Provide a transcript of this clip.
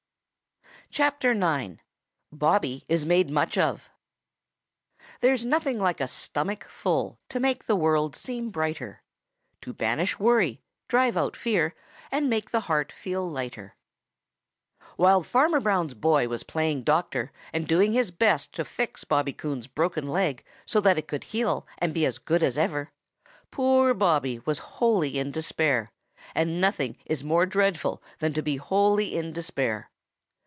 IX. BOBBY IS MADE MUCH OF There's nothing like a stomach full To make the world seem brighter; To banish worry, drive out fear, And make the heart feel lighter. |WHILE Farmer Brown's boy was playing doctor and doing his best to fix Bobby Coon's broken leg so that it would heal and be as good as ever, poor Bobby was wholly in despair, and nothing is more dreadful than to be wholly in despair.